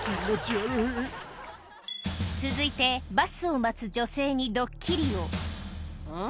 続いてバスを待つ女性にドッキリをうん？